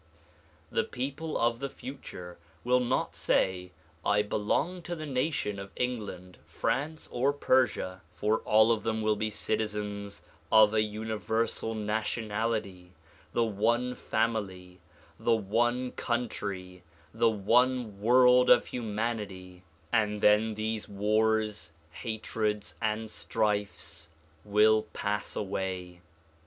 The people of the future will not say "I belong to the nation of England. France or Persia," for all of them will be citizens DISCOURSES DELIVERED IN NEW YORK 17 of a universal nationality ; the one family, the one country, the one world of humanity; and then these wars, hatreds and strifes will pass away.